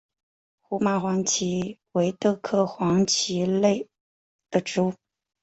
胡麻黄耆为豆科黄芪属的植物。